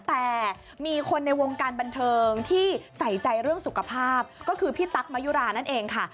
แต่มีคนในวงการบันเทิงที่ใส่ใจเรื่องสุขภาพก็คือพี่ตั๊กมายุรานั่นเองค่ะ